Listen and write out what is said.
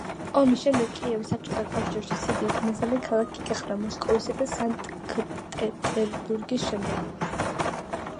ომის შემდეგ კიევი საბჭოთა კავშირში სიდიდით მესამე ქალაქი გახდა მოსკოვისა და სანქტ-პეტერბურგის შემდეგ.